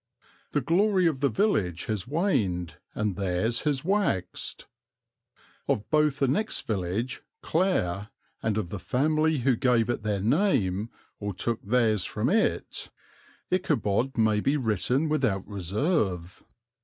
The glory of the village has waned and theirs has waxed. Of both the next village, Clare, and of the family who gave it their name or took theirs from it, Ichabod may be written without reserve.